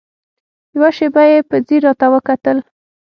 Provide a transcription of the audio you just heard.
يوه شېبه يې په ځير راته وکتل.